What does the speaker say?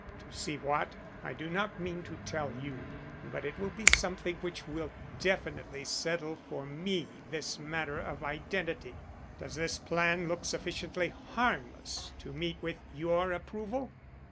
To see what, I do not mean to tell you, but it will be something which will definitely settle for me this matter of identity. Does this plan look sufficiently harmless to meet with your approval?"